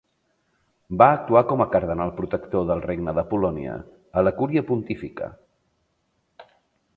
Va actuar com a Cardenal protector del regne de Polònia a la Cúria Pontifícia.